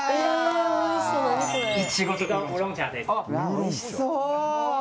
おいしそう！